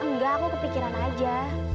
enggak aku kepikiran aja